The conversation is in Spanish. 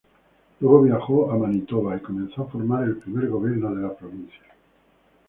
Luego viajó a Manitoba y comenzó a formar el primer gobierno de la provincia.